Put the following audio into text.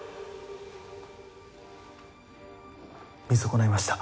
見損ないました。